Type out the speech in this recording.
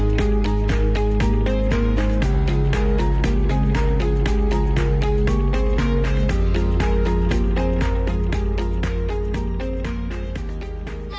กลับมาที่นี่